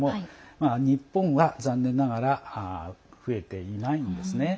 日本は残念ながら増えていないんですね。